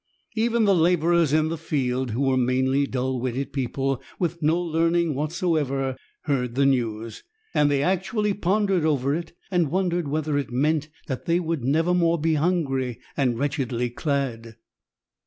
Even the laborers in the fields, who were mainly dull witted people with no learning whatsoever, heard the news; and they actually pondered over it and wondered whether it meant that they would never more be hungry and wretchedly clad.